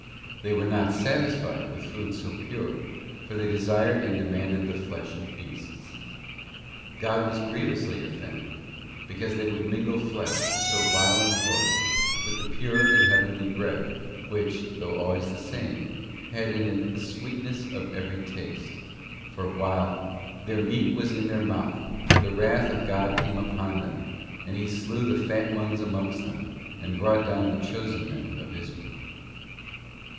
'{ They were not satisfied with food so pure, for they desired and demanded the flesh of beasts. God was grievously offended because they would mingle flesh, so vile and coarse, with the pure and heavenly bread which, though always the same, had in it 'the sweetness of every taste,' § for while 'their meat was in their mouth the wrath of God came upon them, and He slew the fat ones amongst them, and brought down the chosen men of Israel.